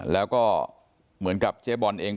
แล้วก็เหมือนกับเจ๊บอลเอง